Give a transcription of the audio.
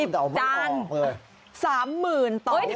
เดา๑๐ตัน๓๐๐๐๐ต่อวัน